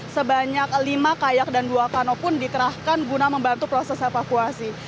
sebanyak lima kayak dan dua kano pun dikerahkan guna membantu proses evakuasi